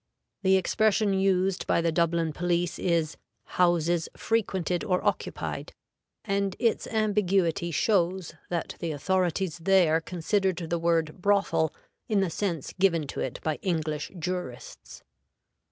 The expression used by the Dublin police is "houses frequented or occupied," and its ambiguity shows that the authorities there considered the word "brothel" in the sense given to it by English jurists.